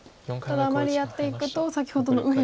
ただあまりやっていくと先ほどの右辺の切りから。